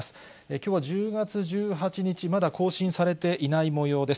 きょうは１０月１８日、まだ更新されていないもようです。